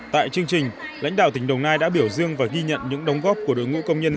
tại chương trình lãnh đạo tỉnh đồng nai đã biểu dương và ghi nhận những đóng góp của đội ngũ công nhân